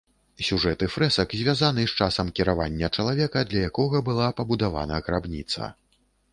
Сюжэты фрэсак звязаны з часам кіравання чалавека, для якога была пабудавана грабніца.